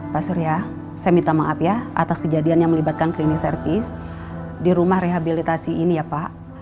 pak surya saya minta maaf ya atas kejadian yang melibatkan klinis service di rumah rehabilitasi ini ya pak